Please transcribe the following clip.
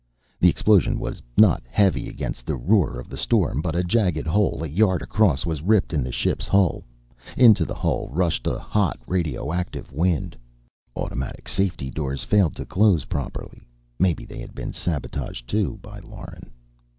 The explosion was not heavy against the roar of the storm, but a jagged hole, a yard across, was ripped in the ship's hull. Into the hole rushed the hot, radioactive wind. Automatic safety doors failed to close properly. Maybe they had been sabotaged, too, by Lauren.